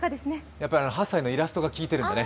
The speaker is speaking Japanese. やっぱり８歳のイラストが効いてるんでね。